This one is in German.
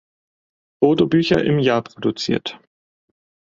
Fotobücher im Jahr produziert.